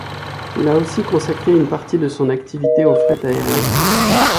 Il a aussi consacré une partie de son activité au fret aérien.